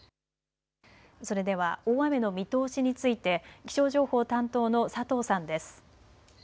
それでは大雨の見通しについて気象情報担当の佐藤さんです。